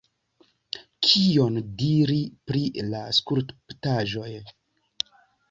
Kion diri pri la skulptaĵoj?